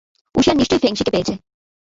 ঊশিয়ান নিশ্চয়ই ফেংশিকে পেয়েছে।